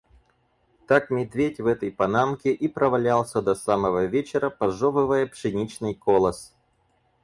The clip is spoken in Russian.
Так медведь в этой панамке и провалялся до самого вечера, пожёвывая пшеничный колос.